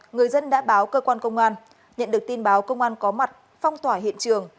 người dân đã báo cơ quan công an nhận được tin báo công an có mặt phong tỏa hiện trường